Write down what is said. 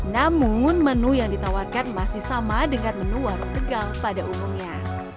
namun menu yang ditawarkan masih sama dengan menu warung tegal pada umumnya